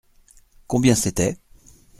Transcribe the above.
Combien c’était ?